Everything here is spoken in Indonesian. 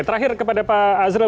terakhir kepada pak azril